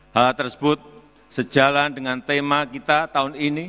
hal tersebut sejalan dengan tema kita tahun ini